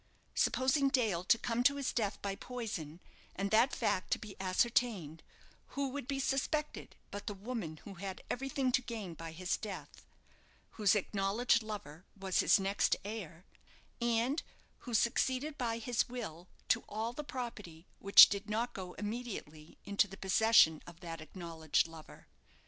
Supposing Dale to come to his death by poison, and that fact to be ascertained, who would be suspected but the woman who had everything to gain by his death, whose acknowledged lover was his next heir, and who succeeded by his will to all the property which did not go immediately into the possession of that acknowledged lover?